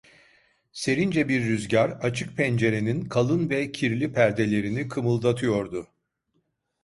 Serince bir rüzgâr açık pencerenin kalın ve kirli perdelerini kımıldatıyordu.